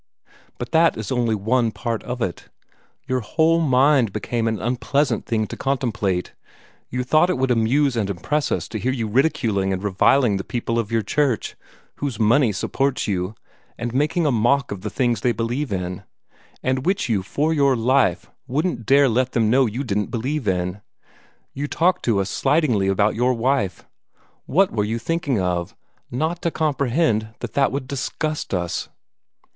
But that is only one part of it. Your whole mind became an unpleasant thing to contemplate. You thought it would amuse and impress us to hear you ridiculing and reviling the people of your church, whose money supports you, and making a mock of the things they believe in, and which you for your life wouldn't dare let them know you didn't believe in. You talked to us slightingly about your wife. What were you thinking of, not to comprehend that that would disgust us?